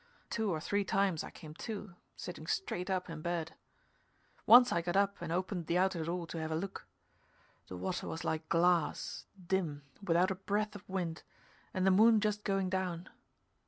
Two or three times I came to, sitting straight up in bed. Once I got up and opened the outer door to have a look. The water was like glass, dim, without a breath of wind, and the moon just going down.